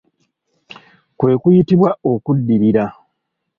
Kwe kuyitibwa okuddirira.